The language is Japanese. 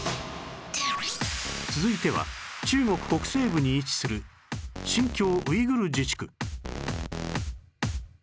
続いては中国北西部に位置する新疆ウイグル自治区